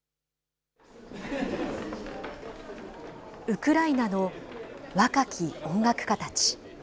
ウクライナの若き音楽家たち。